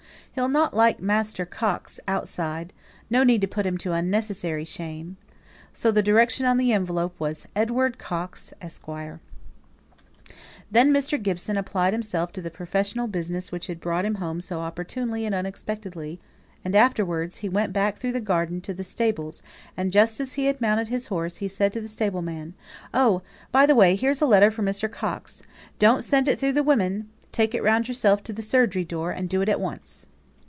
"He'll not like Master Coxe outside; no need to put him to unnecessary shame." So the direction on the envelope was Edward Coxe, Esq. Then Mr. Gibson applied himself to the professional business which had brought him home so opportunely and unexpectedly, and afterwards he went back through the garden to the stables; and just as he had mounted his horse, he said to the stable man, "Oh! by the way, here's a letter for Mr. Coxe. Don't send it through the women; take it round yourself to the surgery door, and do it at once."